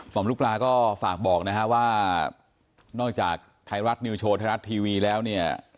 อมลูกปลาก็ฝากบอกนะฮะว่านอกจากไทยรัฐนิวโชว์ไทยรัฐทีวีแล้วเนี่ย